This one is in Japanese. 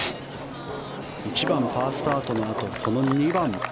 １番、パースタートのあとこの２番。